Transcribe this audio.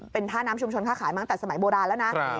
เป็นท่าน้ำชุมชนค่าขายมาตั้งแต่สมัยโบราณแล้วนะ